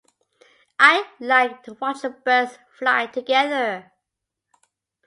I like to watch the birds fly together.